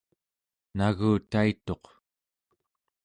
nagutaituq